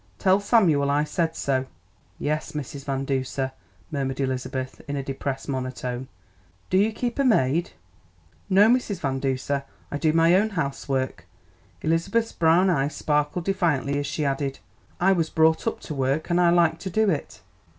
Tell Samuel I said so." "Yes, Mrs. Van Duser," murmured Elizabeth in a depressed monotone. "Do you keep a maid?" "No, Mrs. Van Duser, I do my own housework." Elizabeth's brown eyes sparkled defiantly as she added, "I was brought up to work, and I like to do it."